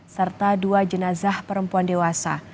serta dua jenazah perempuan dewasa